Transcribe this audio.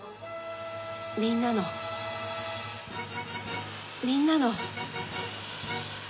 みんなのみんなの